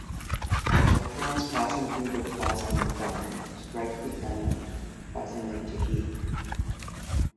Electrons passing through the plasma cloud strike the anode, causing it to heat.